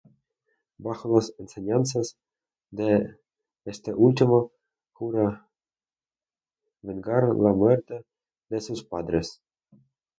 Bajo las enseñanzas de este último, jura vengar la muerte de sus padres.